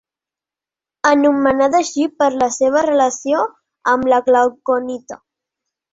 Anomenada així per la seva relació amb la glauconita.